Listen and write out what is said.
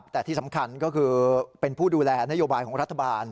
แต่ที่สำคัญก็คือเป็นผู้ดูแลนโยบายของรัฐบาล